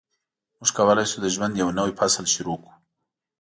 موږ کولای شو د ژوند یو نوی فصل شروع کړو.